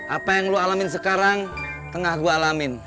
apa yang lo alamin sekarang tengah gue alamin